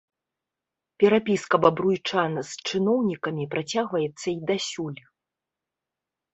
Перапіска бабруйчан з чыноўнікамі працягваецца і дасюль.